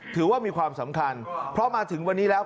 ถือว่ามีความสำคัญเพราะมาถึงวันนี้แล้ว